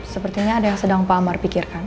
sepertinya ada yang sedang pak amar pikirkan